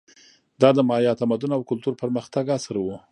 دا د مایا تمدن او کلتور پرمختګ عصر و.